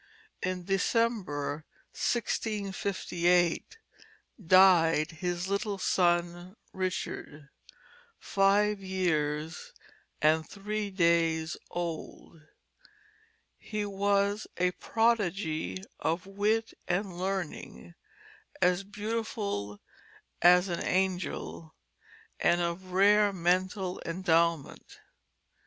In December, 1658, died his little son, Richard, five years and three days old. He was a prodigy of wit and learning, as beautiful as an angel, and of rare mental endowment.